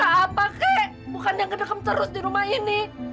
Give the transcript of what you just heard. apa kek bukan yang kedekam terus di rumah ini